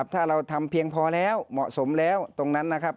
ถ้าเราทำเพียงพอแล้วเหมาะสมแล้วตรงนั้นนะครับ